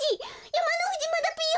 やまのふじまだぴよ！